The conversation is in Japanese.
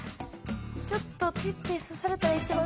ちょっと手って刺されたら一番かゆいよ